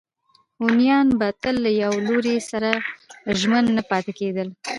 هونیان به تل له یوه لوري سره ژمن نه پاتې کېدل.